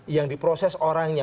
yang diproses orangnya